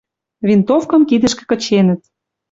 Винтовкым кидӹшкӹ кыченӹт.